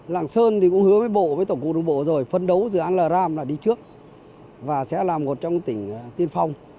lãng sơn cũng hứa với tổng cụ đồng bộ rồi phấn đấu dự án lram đi trước và sẽ là một trong tỉnh tiên phong